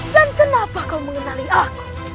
kenapa kau mengenali aku